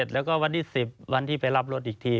แล้วก็วันที่๑๐วันที่ไปรับรถอีกที